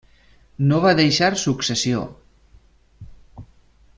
No va deixar successió.